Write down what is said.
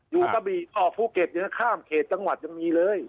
กระบี่ออกภูเก็ตยังข้ามเขตจังหวัดยังมีเลย